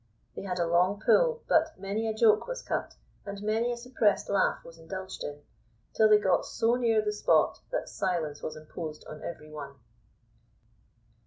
They had a long pull; but many a joke was cut, and many a suppressed laugh was indulged in, till they got so near the spot that silence was imposed on every one.